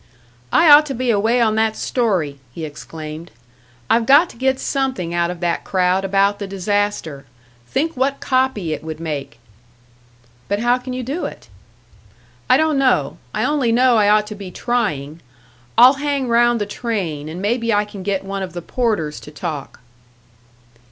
"I ought to be away on that story!" he exclaimed. "I've got to get something out of that crowd about the disaster. Think what copy it would make!" "But how can you do it?" "I don't know; I only know I ought to be trying. I'll hang round the train, and maybe I can get one of the porters to talk."